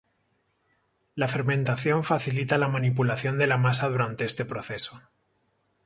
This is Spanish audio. La fermentación facilita la manipulación de la masa durante este proceso.